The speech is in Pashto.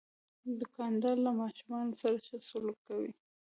دوکاندار له ماشومان سره ښه سلوک کوي.